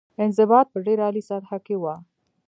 انضباط په ډېره عالي سطح کې وه.